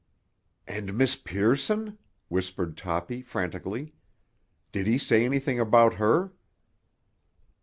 "And Miss Pearson?" whispered Toppy frantically. "Did he say anything about her?"